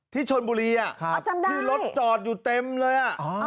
ที่ชนบุรีที่รถจอดอยู่เต็มเลย